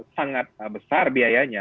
sangat besar biayanya